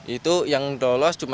itu yang dolos cuma lima